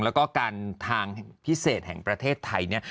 แล้วก็การทางพิเศษแห่งประเทศไทยเนี่ย